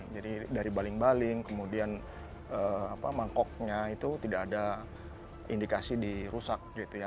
jadi dari baling baling kemudian mangkoknya itu tidak ada indikasi di rusak